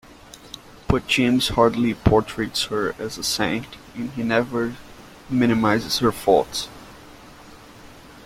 But James hardly portrays her as a saint, as he never minimizes her faults.